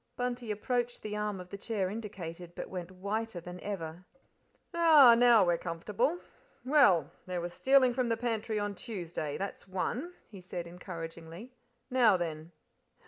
Bunty approached the arm of the chair indicated, but went whiter than ever. "Ah, now we're comfortable. Well, there was stealing from the pantry on Tuesday that's one," he said, encouragingly. "Now then."